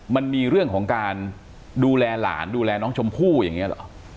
มันมีเรื่องของการดูแลหลานดูแลน้องชมพู่อย่างนี้เหรอ